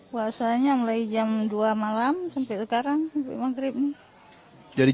puasanya mulai jam dua malam sampai utara sampai maghrib